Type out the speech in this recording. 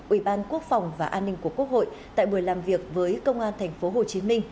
ủy ban quốc phòng và an ninh của quốc hội tại buổi làm việc với công an tp hcm